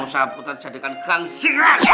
kamu saputan jadikan kangsirang